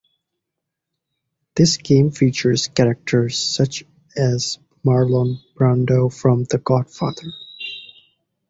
This game features characters such as Marlon Brando from "The Godfather".